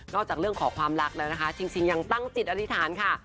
จากเรื่องขอความรักแล้วนะคะชิงยังตั้งจิตอธิษฐานค่ะ